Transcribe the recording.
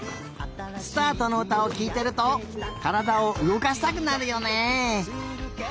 「すたあと」のうたをきいてるとからだをうごかしたくなるよね。